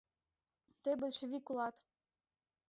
Тый большевик улат!